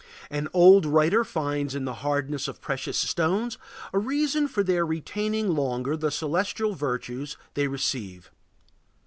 An old writer finds in the hardness of precious stones a reason for their retaining longer the celestial virtues they receive.